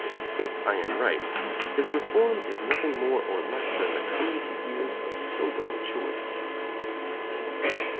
If I am right, his reform is nothing more or less than the coming to years of sober maturity.